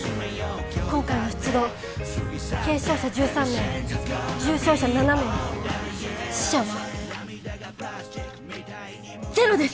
今回の出動軽症者１３名重症者７名死者はゼロです！